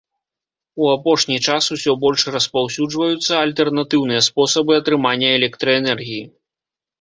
У апошні час усё больш распаўсюджваюцца альтэрнатыўныя спосабы атрымання электраэнергіі.